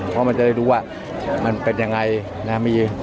ตราบใดที่ตนยังเป็นนายกอยู่